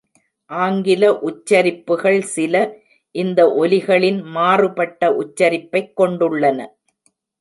ஆங்கில உச்சரிப்புகள் சில இந்த ஒலிகளின் மாறுபட்ட உச்சரிப்பைக் கொண்டுள்ளன.